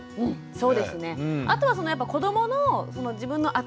そうですね。